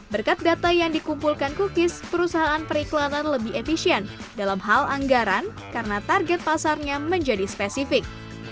berkat data yang dikumpulkan cookies perusahaan periklanan lebih efisien dalam hal anggaran karena target pasarnya menjadi spesifik